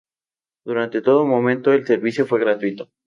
Durante todo momento el servicio fue gratuito.